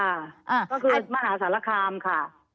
ก็คือมหาสารคามค่ะ